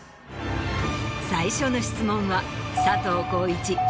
最初の質問は佐藤浩市